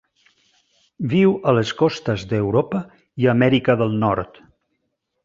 Viu a les costes d'Europa i Amèrica del Nord.